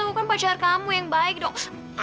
aku kan pacar kamu yang baik dok